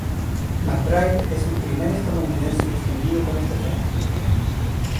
McBride es el primer estadounidense distinguido con este premio.